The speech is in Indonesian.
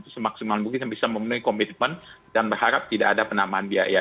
semaksimal mungkin bisa memenuhi komitmen dan berharap tidak ada penambahan biaya